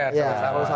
biar fair sama sama